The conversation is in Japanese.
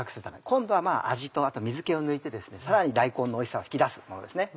今度は味とあと水気を抜いてさらに大根のおいしさを引き出すものですね。